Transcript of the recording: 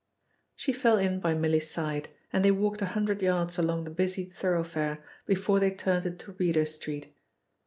She fell in by Milly's side and they walked a hundred yards along the busy thoroughfare before they turned into Reeder Street.